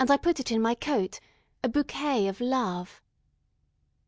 put it in my coat,A bouquet of Love!